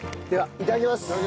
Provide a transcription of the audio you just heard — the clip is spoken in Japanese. いただきます。